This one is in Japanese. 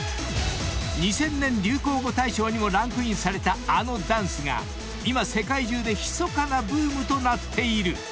［２０００年流行語大賞にもランクインされたあのダンスが今世界中でひそかなブームとなっている］